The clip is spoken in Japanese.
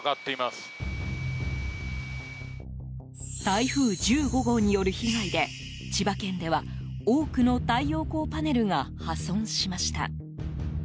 台風１５号による被害で千葉県では多くの太陽光パネルが破損しました。